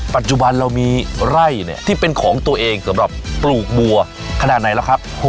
ปัจจุบันเรามีไร่เนี่ยที่เป็นของตัวเองสำหรับปลูกบัวขนาดไหนแล้วครับ